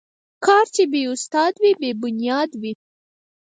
کار چې بې استاد وي، بې بنیاد وي.